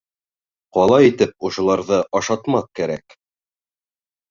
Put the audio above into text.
Ҡалай итеп ошоларҙы ашатмаҡ кәрәк?